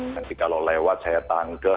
nanti kalau lewat saya tanggeh